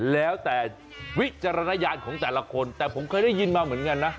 แล้วแต่วิจารณญาณของแต่ละคนแต่ผมเคยได้ยินมาเหมือนกันนะ